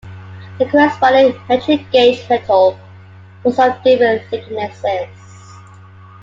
The corresponding metric-gauge metal was of different thicknesses.